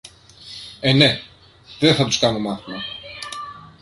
Ε, ναι! δεν τους κάνω μάθημα!